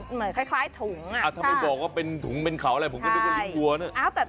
เหมือนลิ้นน่ะมันนิ่มเหมือนไพเลยถุงอ่ะ